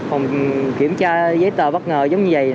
phòng kiểm tra giấy tờ bất ngờ giống như vậy